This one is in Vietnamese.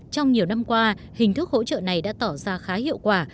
trong nhiều năm qua hình thức hỗ trợ này đã tỏ ra khá hiệu quả